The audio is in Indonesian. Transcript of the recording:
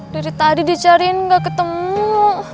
dari tadi dicariin nggak ketemu